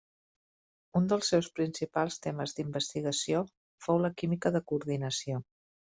Un dels seus principals temes d'investigació fou la química de coordinació.